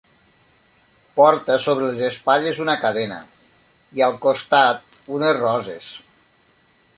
Porta sobre les espatlles una cadena i, al costat, unes roses.